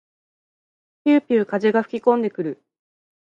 ぴゅうぴゅう風が吹きこんでくる。